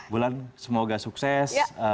bulan semoga sukses